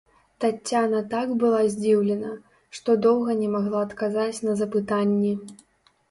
Таццяна так была здзіўлена, што доўга не магла адказаць на запытанні.